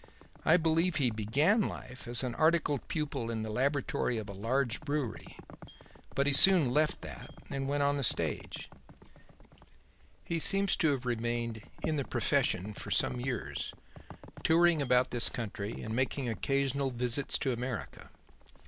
I believe he began life as an articled pupil in the laboratory of a large brewery, but he soon left that and went on the stage. He seems to have remained in 'the profession' for some years, touring about this country and making occasional visits to America.